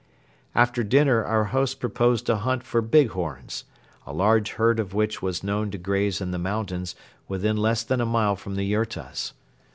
After dinner our host proposed a hunt for bighorns, a large herd of which was known to graze in the mountains within less than a mile from the yurtas.